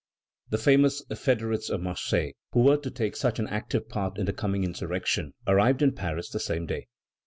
The famous federates of Marseilles, who were to take such an active part in the coming insurrection, arrived in Paris the same day.